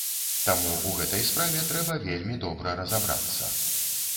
Таму ў гэтай справе трэба вельмі добра разабрацца.